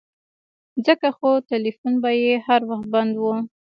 ځکه خو ټيلفون به يې هر وخت بند و.